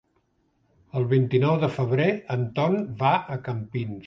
El vint-i-nou de febrer en Ton va a Campins.